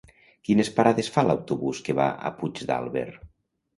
Quines parades fa l'autobús que va a Puigdàlber?